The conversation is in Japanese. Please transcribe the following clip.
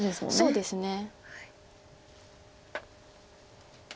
そうですね。